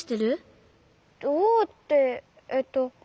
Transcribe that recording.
どうってえっと。